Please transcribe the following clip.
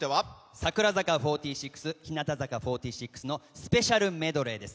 櫻坂４６日向坂４６のスペシャルメドレーです。